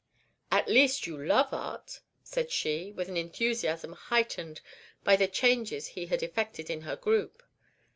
"At least you love art," said she, with an enthusiasm heightened by the changes he had effected in her group.